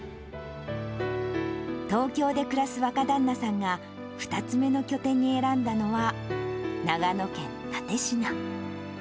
東京で暮らす若旦那さんが、２つ目の拠点に選んだのは、長野県蓼科。